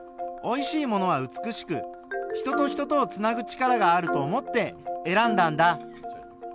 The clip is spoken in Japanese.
おいしいものは美しく人と人とをつなぐ力があると思って選んだんだ。